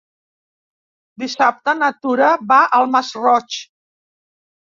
Dissabte na Tura va al Masroig.